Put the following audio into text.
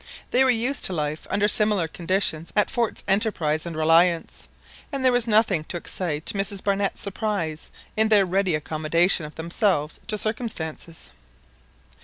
They were used to life under similar conditions at Forts Enterprise and Reliance, and there was nothing to excite Mrs Barnett's surprise in their ready accommodation of themselves to circumstances.